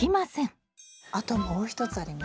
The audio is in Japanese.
あともう一つあります。